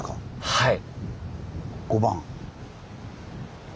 はい。